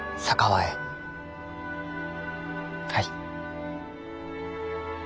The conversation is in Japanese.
はい。